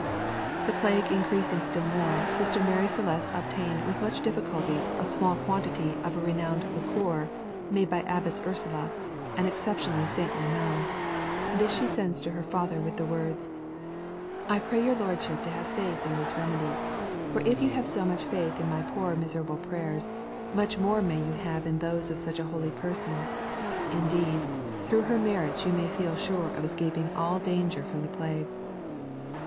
The plague increasing still more, Sister Maria Celeste obtained with much difficulty, a small quantity of a renowned liqueur, made by Abbess Ursula, an exceptionally saintly nun. This she sends to her father with the words: "I pray your lordship to have faith in this remedy. For if you have so much faith in my poor miserable prayers, much more may you have in those of such a holy person; indeed, through her merits you may feel sure of escaping all danger from the plague."